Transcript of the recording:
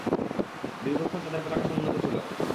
দীর্ঘক্ষণ তাদের পতাকা সমুন্নত ছিল।